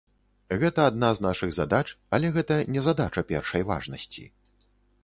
Гэта адна з нашых задач, але гэта не задача першай важнасці.